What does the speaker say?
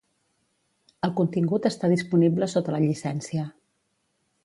El contingut està disponible sota la llicència.